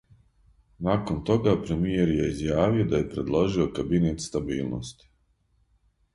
Након тога, премијер је изјавио да је предложио кабинет стабилности.